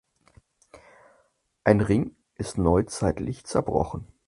Ein Ring ist neuzeitlich zerbrochen.